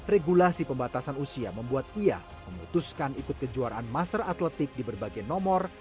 regulasi pembatasan usia membuat ia memutuskan ikut kejuaraan master atletik di berbagai nomor